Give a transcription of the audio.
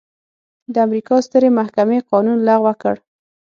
د امریکا سترې محکمې قانون لغوه کړ.